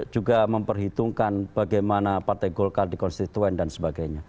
juga memperhitungkan bagaimana partai golkar dikonstituen dan sebagainya